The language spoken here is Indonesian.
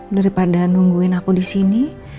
daripada nungguin aku di sini